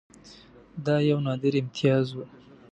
دا یو نادر امتیاز وو.